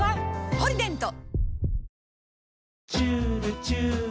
「ポリデント」